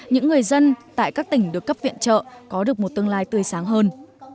những người dân tại các tỉnh được cấp viện trợ có được một tương lai tươi sáng hơn